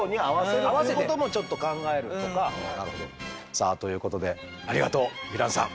さあということでありがとうヴィランさん。